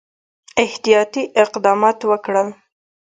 احتیاطي اقدمات وکړل.